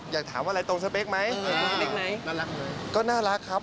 อยากถามอะไรตรงสเปกไหม